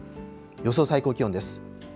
予想最高気温です。